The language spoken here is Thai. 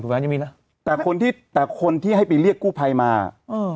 ยังมีนะแต่คนที่แต่คนที่ให้ไปเรียกกู้ภัยมาเออ